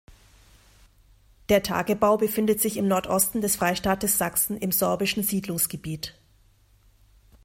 Der Tagebau befindet sich im Nordosten des Freistaates Sachsen im sorbischen Siedlungsgebiet.